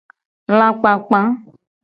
Lakpakpa.